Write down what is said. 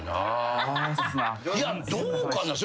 いやどうかな？